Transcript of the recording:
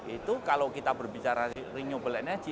itu kalau kita berbicara renewable energy